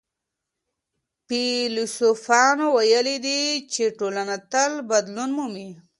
فيلسوفانو ويلي دي چي ټولنه تل بدلون مومي.